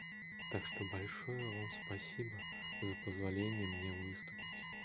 Так что большое Вам спасибо за позволение мне выступить.